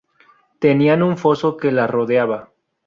Tenían un foso que las rodeaba.